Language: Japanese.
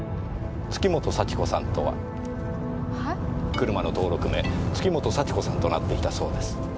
車の登録名月本幸子さんとなっていたそうです。